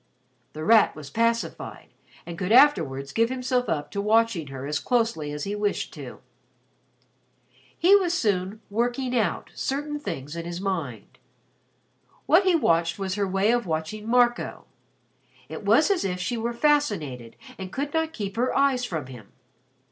The Rat was pacified and could afterwards give himself up to watching her as closely as he wished to. He was soon "working out" certain things in his mind. What he watched was her way of watching Marco. It was as if she were fascinated and could not keep her eyes from him.